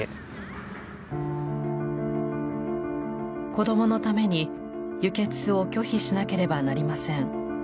「子供のために輸血を拒否しなければなりません」